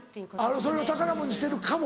それを宝物にしてるかも。